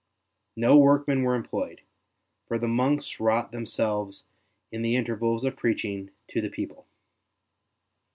No workmen were employed, for the monks wrought them selves in the intervals of preaching to the people.